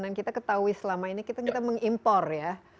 dan kita ketahui selama ini kita mengimpor ya